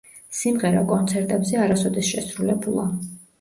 სიმღერა კონცერტებზე არასოდეს შესრულებულა.